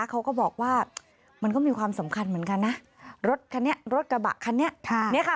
เขาก็บอกว่ามันก็มีความสำคัญเหมือนกันนะรถคันนี้รถกระบะคันนี้ค่ะ